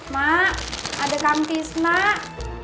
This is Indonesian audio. mak ada kamtis mak